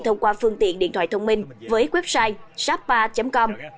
thông qua phương tiện điện thoại thông minh với website shappa com